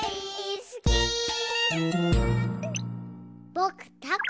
ぼくたこ